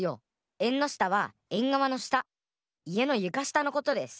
えんのしたはえんがわのしたいえのゆかしたのことです！